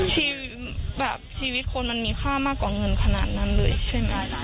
ชีวิตคนมันมีค่ามากกว่าเงินขนาดนั้นเลยใช่ไหม